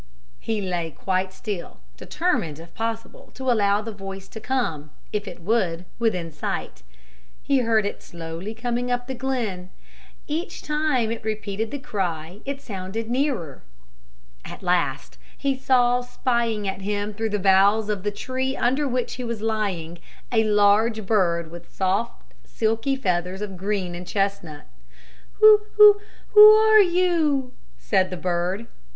He lay quite still, determined if possible to allow the voice to come, if it would, within sight. He heard it slowly coming up the glen. Each time it repeated the cry it sounded nearer. At last he saw spying at him through the boughs of the tree under which he was lying a large bird with soft, silky feathers of green and chestnut. "Who, who, who are you?" said the bird.